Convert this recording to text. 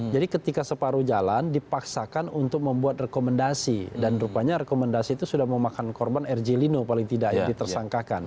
jadi ketika separuh jalan dipaksakan untuk membuat rekomendasi dan rupanya rekomendasi itu sudah memakan korban r g lino paling tidak yang ditersangkakan